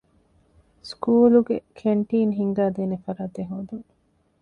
ސްކޫލުގެ ކެންޓީން ހިންގައިދޭނެ ފަރާތެއް ހޯދުން.